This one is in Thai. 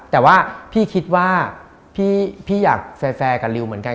แต่ว่าพี่คิดว่าพี่อยากแฟร์กับริวเหมือนกัน